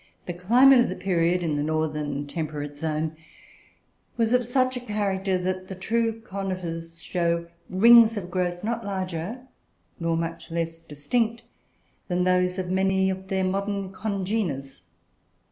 The climate of the period, in the northern temperate zone, was of such a character that the true conifers show rings of growth, not larger, nor much less distinct, than those of many of their modern congeners.